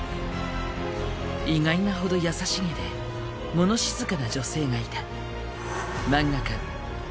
意外なほど優しげでもの静かな女性がいた。